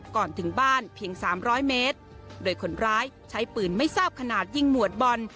ก่อนถึงบ้านเพียงสามร้อยเมตรโดยคนร้ายใช้ปืนไม่ทราบขนาดยิงหมวดบอล